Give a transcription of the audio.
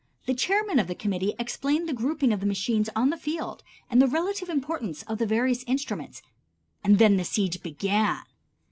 The chairman of the committee explained the grouping of the machines on the field and the relative importance of the various instruments, and then the siege began.